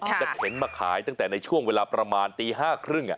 เข็นมาขายตั้งแต่ในช่วงเวลาประมาณตี๕๓๐